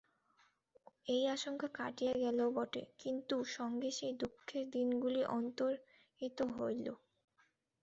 এই আশঙ্কা কাটিয়া গেল বটে, কিন্তু সঙ্গে সেই সুখের দিনগুলিও অন্তর্হিত হইল।